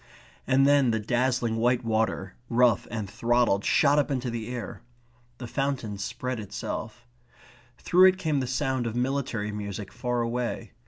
And then the dazzling white water, rough and throttled, shot up into the air. The fountain spread itself. Through it came the sound of military music far away.